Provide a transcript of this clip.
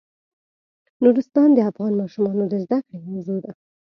نورستان د افغان ماشومانو د زده کړې موضوع ده.